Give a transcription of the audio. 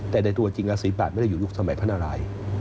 แต่ในตัวจริงแล้วศรีปาสไม่ได้อยู่ในสมัยพระนารายย์